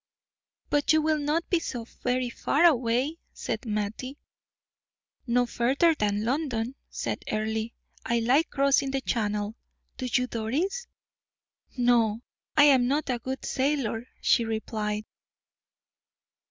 "But you will not be so very far away," said Mattie. "No further than London," said Earle. "I like crossing the Channel; do you, Doris?" "No, I am not a good sailor," she replied.